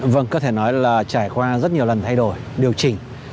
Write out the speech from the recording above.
vâng có thể nói là trải qua rất nhiều lần thay đổi điều chỉnh